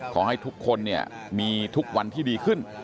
ขอให้ทุกคนเนี่ยมีทุกวันที่ดีขึ้น